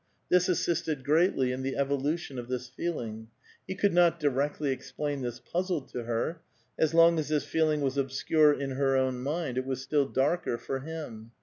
This assisted greatly in the evolution of tiiis feeling. He could not directly explain this puzzle to her ; as long as this feeling was obscure in her own mind, it was still darker for him.